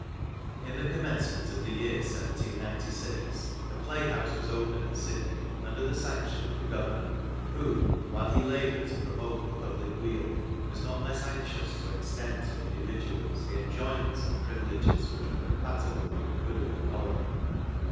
In the commencement of the year 1796, a play house was opened at Sydney, under the sanction of the governor, who, while he laboured to promote the public weal, was not less anxious to extend to individuals the enjoyments and privileges which were compatible with the good of the colony.